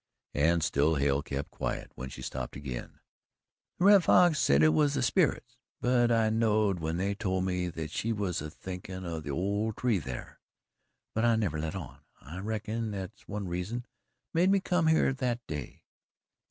And still Hale kept quiet when she stopped again. "The Red Fox said hit was the sperits, but I knowed when they told me that she was a thinkin' o' that ole tree thar. But I never let on. I reckon that's ONE reason made me come here that day."